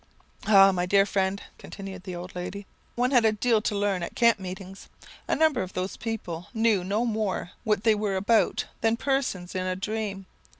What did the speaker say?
"Ah, my dear friend," continued the old lady, "one had a deal to learn at that camp meeting. A number of those people knew no more what they were about than persons in a dream.